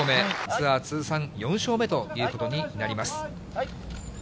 ツアー通算４勝目ということになります。